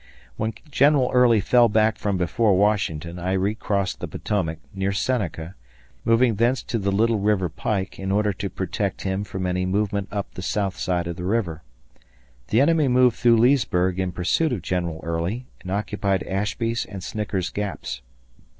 When General Early fell back from before Washington I recrossed the Potomac, near Seneca, moving thence to the Little River Pike in order to protect him from any movement up the south side of the river. The enemy moved through Leesburg in pursuit of General Early and occupied Ashby's and Snicker's Gaps.